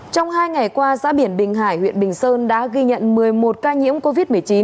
trong hai ngày qua giã biển bình hải huyện bình sơn đã ghi nhận một mươi một ca nhiễm covid một mươi chín